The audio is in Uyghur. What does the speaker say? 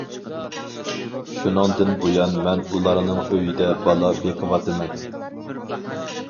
شۇنىڭدىن بۇيان مەن ئۇلارنىڭ ئۆيىدە بالا بېقىۋاتىمەن.